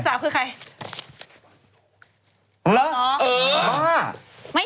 สาวคือใคร